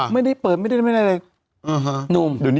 ไม่ได้เลยไหมท่านหนุ่ม